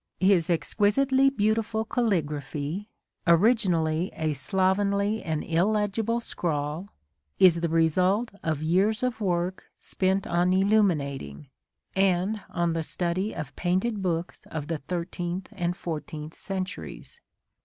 His exquisitely beautiful caligraphy, originally a slovenly and illegible A DAY WITH WILLIAM MORRIS. scrawl, is the result of years of work spent on illuminating, and on the study of painted books of the thirteenth and fourteenth centuries.